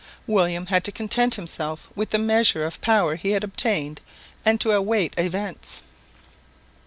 William had to content himself with the measure of power he had obtained and to await events.